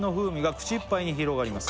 「口いっぱいに広がります」